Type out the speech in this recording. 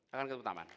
akan ketemu taman